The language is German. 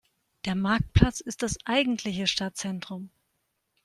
Der Marktplatz ist das eigentliche Stadtzentrum.